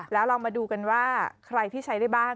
แล้วเรามาดูกันว่าใครที่ใช้ได้บ้าง